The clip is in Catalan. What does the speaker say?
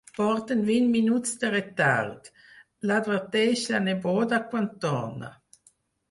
Porten vint minuts de retard, l'adverteix la neboda quan torna.